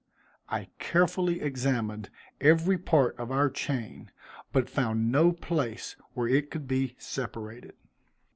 I carefully examined every part of our chain, but found no place where it could be separated.